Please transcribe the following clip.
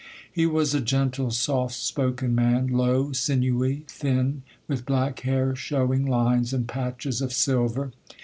He was a gentle, soft spoken man, low, sinewy, thin, with black hair showing lines and patches of silver.